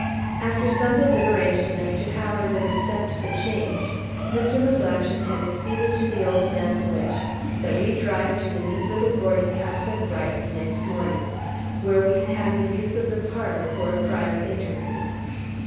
After some deliberation as to how I would accept the change, Mr. McGlashan had aceeded to the old man's wish, that we drive to the neat little boarding house at Brighton next morning, where we could have the use of the parlor for a private interview.